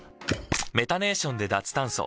メタネーションで脱炭素。